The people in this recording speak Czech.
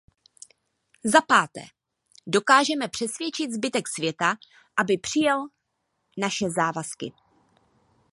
Zapáté, dokážeme přesvědčit zbytek světa, aby přijal naše závazky.